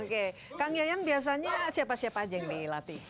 oke kang yayan biasanya siapa siapa aja yang dilatih